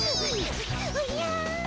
おじゃ。